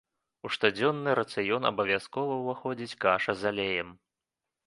У штодзённы рацыён абавязкова ўваходзіць каша з алеем.